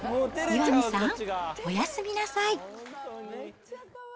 岩見さん、おやすみなさい。